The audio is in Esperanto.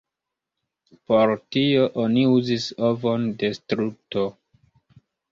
Por tio oni uzis ovon de struto.